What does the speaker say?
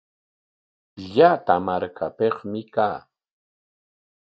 Llata markapikmi kaa.